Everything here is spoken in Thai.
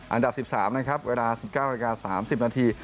อันดับ๑๓นะครับเวลา๑๙นาที๓๐นาที